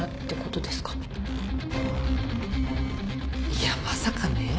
いやまさかねぇ。